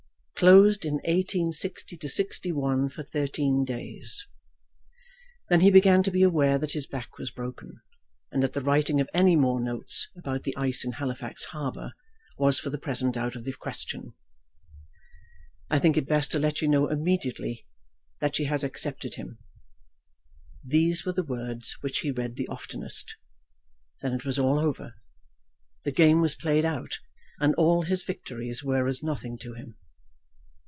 "Closed in 1860 61 for thirteen days." Then he began to be aware that his back was broken, and that the writing of any more notes about the ice in Halifax harbour was for the present out of the question. "I think it best to let you know immediately that she has accepted him." These were the words which he read the oftenest. Then it was all over! The game was played out, and all his victories were as nothing to him.